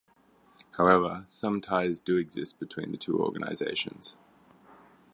However, some ties do exist between the two organizations.